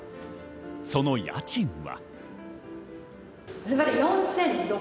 その家賃は。